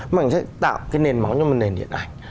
mà hình ảnh sẽ tạo cái nền máu cho một nền điện ảnh